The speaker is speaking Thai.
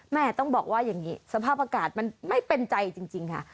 ต้องบอกว่าอย่างนี้สภาพอากาศมันไม่เป็นใจจริงค่ะ